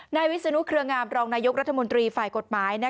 วิศนุเครืองามรองนายกรัฐมนตรีฝ่ายกฎหมาย